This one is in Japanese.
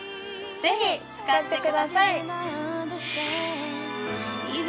ぜひ使ってください！